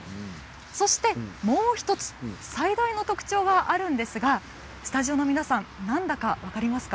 そしてもう１つ最大の特徴があるんですがスタジオの皆さん何だか分かりますか？